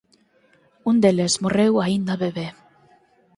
Un deles morreu aínda bebé.